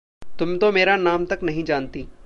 तुम तो मेरा नाम तक नहीं जानती।